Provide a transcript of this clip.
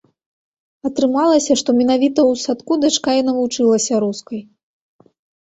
Атрымалася, што менавіта ў садку дачка і навучылася рускай.